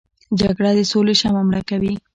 جګړه د سولې شمعه مړه کوي